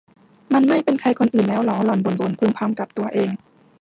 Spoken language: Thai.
มันไม่เป็นใครคนอื่นแล้วหรอ หล่อนบ่นบ่นพึมพำกับตัวเอง